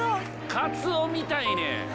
カツオ見たいねん！